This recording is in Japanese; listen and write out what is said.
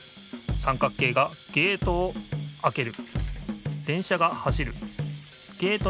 三角形がゲートをあける。